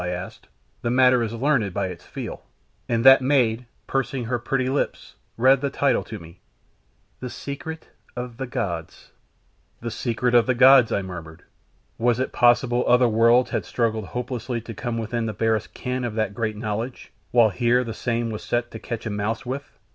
I asked. "The matter is learned, by its feel," and that maid, pursing up her pretty lips, read the title to me "The Secret of the Gods." "The Secret of the Gods," I murmured. "Was it possible other worlds had struggled hopelessly to come within the barest ken of that great knowledge, while here the same was set to catch a mouse with?"